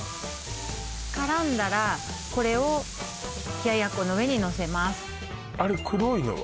絡んだらこれを冷奴の上にのせますあれ黒いのは？